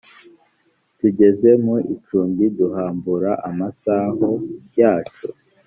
tugeze mu icumbi duhambura amasaho yacu